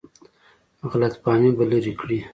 غلط فهمۍ به لرې کړي.